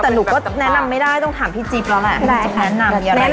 แต่หนูก็แนะนำไม่ได้ต้องถามพี่จี๊บแล้วแหละแนะนำจะอะไรบ้าง